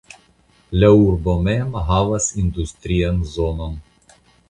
La urbo mem havas industrian zonon.